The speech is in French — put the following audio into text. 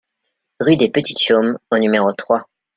Rue des Petites Chaumes au numéro trois